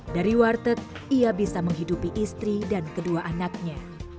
dari warteg ia bisa menghidupi istri dan kedua anaknya